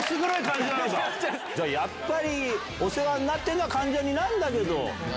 じゃあやっぱり、お世話になってるのは関ジャニなんだけど。